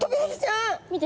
見て。